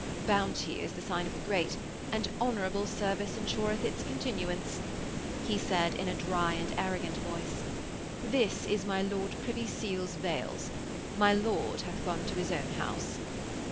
'Bounty is the sign of the great, and honourable service ensureth its continuance,' he said in a dry and arrogant voice. 'This is my Lord Privy Seal's vails. My lord hath gone to his own house.'